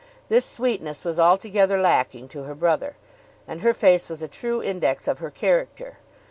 This sweetness was altogether lacking to her brother. And her face was a true index of her character.